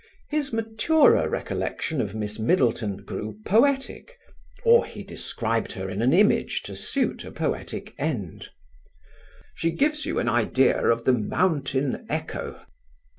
His maturer recollection of Miss Middleton grew poetic, or he described her in an image to suit a poetic end: "She gives you an idea of the Mountain Echo.